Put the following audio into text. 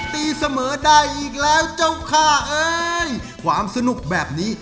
ตีเสมอได้อีกแล้วเจ้าค่าเอ้ยความสนุกแบบนี้